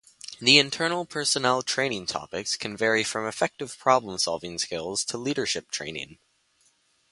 The internal personnel training topics can vary from effective problem-solving skills to leadership training.